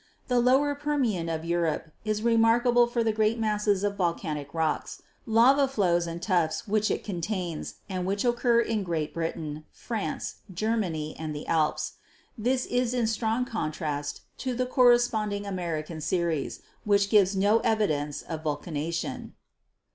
The Lower Permian of Europe is remarkable for the great masses of volcanic rocks, lava flows and tuffs which it contains and which occur in Great Britain, France, Germany and the Alps. This is in strong contrast to the corresponding American series, which gives no evidence of vulcanism.